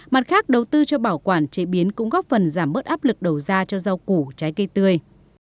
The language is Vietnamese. mặt khác đầu tư cho bảo quản chế biến cũng góp phần giảm bớt áp lực đầu ra cho rau củ trái cây tươi